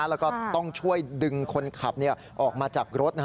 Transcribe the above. แล้วก็ต้องช่วยดึงคนขับออกมาจากรถ